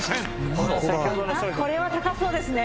「あっこれは高そうですね」